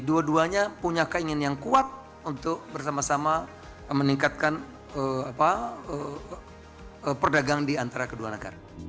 dua duanya punya keinginan yang kuat untuk bersama sama meningkatkan perdagang di antara kedua negara